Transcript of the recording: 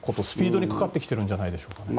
スピードにかかってきてるんじゃないでしょうか。